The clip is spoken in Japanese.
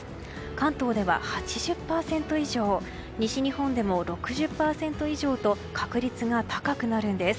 関東では８０％以上西日本でも６０％以上と確率が高くなるんです。